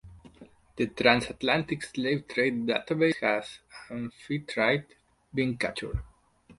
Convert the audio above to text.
The Trans Atlantic Slave Trade database has "Amphitrite" being captured.